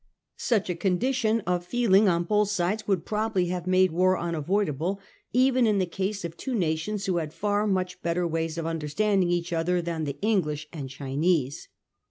Such a condition of feeling on both sides would probably have made war un avoidable, even in the case of two nations who had far much better ways of understanding each other than the English and Chinese.